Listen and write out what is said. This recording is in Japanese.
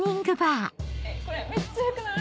えこれめっちゃ良くない？